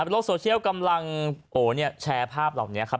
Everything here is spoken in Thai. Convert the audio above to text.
โลกโซเชียลกำลังแชร์ภาพเหล่านี้ครับ